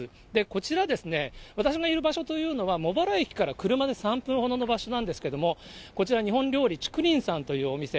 こちらですね、私がいる場所というのは、茂原駅から車で３分ほどの場所なんですけれども、こちら、日本料理竹りんさんというお店。